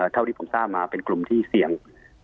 เท่าที่ผมทราบมาเป็นกลุ่มที่เสี่ยง